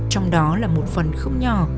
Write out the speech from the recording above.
trong đó là một phần không nhò